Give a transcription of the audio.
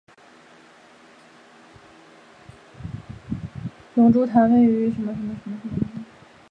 龙珠潭位于香港新界大埔区的八仙岭郊野公园。